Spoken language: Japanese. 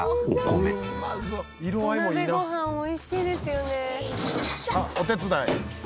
お手伝い？